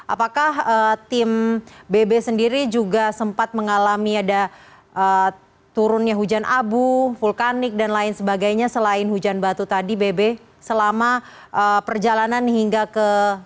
apakah tim bb sendiri juga sempat mengalami ada turunnya hujan abu vulkanik dan lain sebagainya selain hujan batu tadi bebe selama perjalanan hingga ke